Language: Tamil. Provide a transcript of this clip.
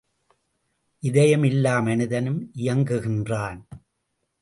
இதயம் இல்லா மனிதனும் இயங்குகின்றான்.